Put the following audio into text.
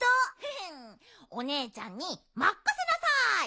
ヘヘンおねえちゃんにまっかせなさい。